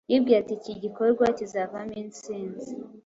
Yibwiye ati: "Iki gikorwa kizavamo intsinzi?"